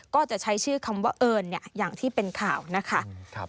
ก็จะใช้ชื่อคำว่าเอิญอย่างที่เป็นข่าวนะคะ